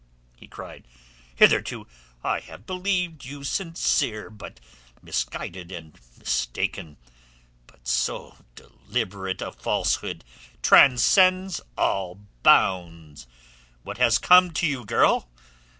he cried. "Hitherto I have believed you sincere but misguided and mistaken. But so deliberate a falsehood transcends all bounds. What has come to you, girl?